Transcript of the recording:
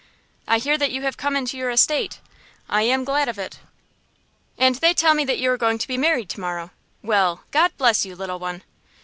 "I hear that you have come into your estate. I am glad of it. And they tell me that you are going to be married tomorrow! Well! God bless you, little one!"